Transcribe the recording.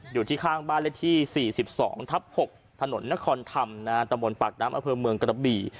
อยู่ที่ข้างบ้านเลขที่๔๒ทับ๖ถนนนครธรรมตะบนปากน้ำอเภอเมืองกระบี่